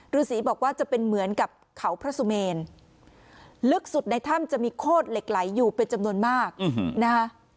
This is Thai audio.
ฤษีบอกว่าจะเป็นเหมือนกับเขาพระสุเมนลึกสุดในถ้ำจะมีโคตรเหล็กไหลอยู่เป็นจำนวนมากนะคะ